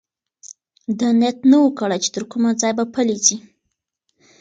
ده نیت نه و کړی چې تر کومه ځایه به پلی ځي.